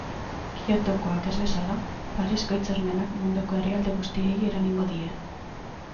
Kyotokoak ez bezala, Parisko hitzarmenak munduko herrialde guztiei eragingo die.